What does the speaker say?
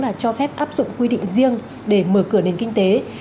là cho phép áp dụng quy định riêng để mở cửa nền kinh tế